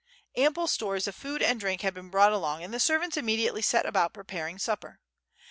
Ample stores of food and drink had been brought along and the servants immediately set about preparing supper.